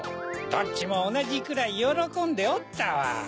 どっちもおなじくらいよろこんでおったわ。